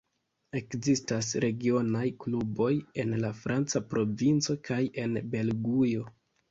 Ekzistas regionaj kluboj en la franca provinco kaj en Belgujo.